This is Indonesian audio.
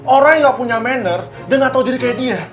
orang yang gak punya manner dan gak tau diri kayak dia